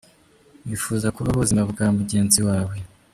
Wifuza kubaho ubuzima bwa mugenzi wawe.